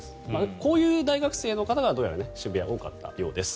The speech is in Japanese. こういう大学生の方がどうやら渋谷は多かったようです。